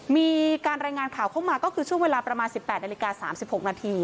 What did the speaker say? มีการรายงานข่าวเข้ามาก็คือช่วงเวลาประมาณ๑๘นาฬิกา๓๖นาที